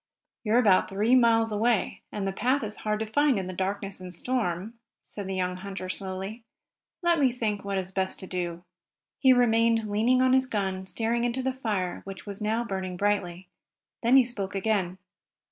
"You're about three miles away, and the path is hard to find in the darkness and storm," said the young hunter slowly. "Let me think what is best to do." He remained leaning on his gun, staring into the fire, which was now burning brightly. Then he spoke again.